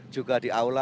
juga di aula